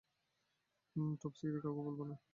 Top secret, কাউকে বলবে না।